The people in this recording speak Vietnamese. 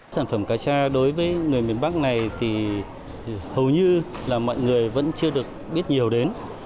sản phẩm cá cha đối với người miền bắc này thì hầu như là mọi người vẫn chưa được biết nhiều đến